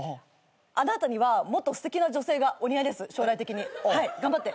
あなたにはもっとすてきな女性がお似合いです将来的に。頑張って。